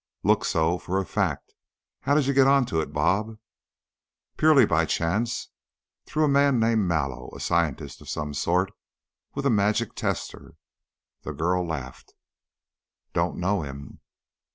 "Looks so, for a fact. How did you get on to it, 'Bob'?" "Purely by chance. Through a man named Mallow, a 'scientist' of some sort with a magic tester." The girl laughed. "Don't know him."